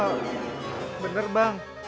ah bener bang